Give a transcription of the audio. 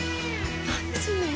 何するのよ？